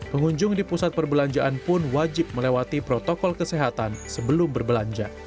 pengunjung di pusat perbelanjaan pun wajib melewati protokol kesehatan sebelum berbelanja